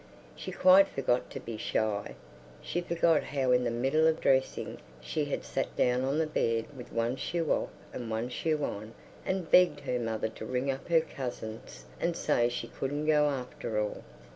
She quite forgot to be shy; she forgot how in the middle of dressing she had sat down on the bed with one shoe off and one shoe on and begged her mother to ring up her cousins and say she couldn't go after all.